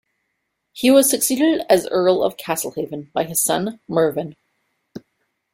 He was succeeded as Earl of Castlehaven by his son, Mervyn.